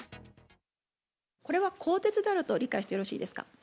これは更迭であると理解してよろしいですか？